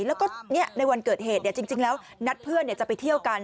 แล้วก็ในวันเกิดเหตุจริงแล้วนัดเพื่อนจะไปเที่ยวกัน